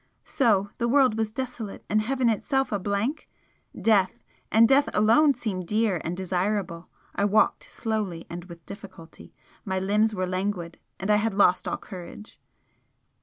So the world was desolate, and heaven itself a blank! death, and death alone seemed dear and desirable! I walked slowly and with difficulty my limbs were languid, and I had lost all courage.